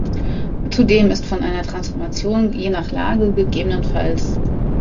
Zudem ist von einer Transformation je nach Lage ggf.